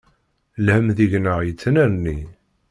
Lhem deg-neɣ yettnerni.